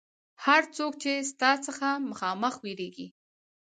هر څوک چې ستا څخه مخامخ وېرېږي.